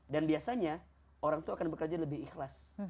dan biasanya orang tuh akan bekerja lebih ikhlas